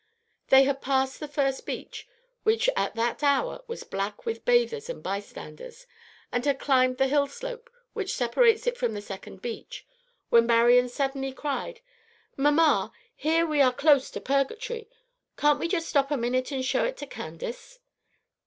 They had passed the first beach, which at that hour was black with bathers and by standers, and had climbed the hill slope which separates it from the second beach, when Marian suddenly cried, "Mamma, here we are close to Purgatory; can't we stop just a minute and show it to Candace?"